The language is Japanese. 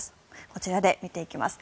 こちらで見ていきます。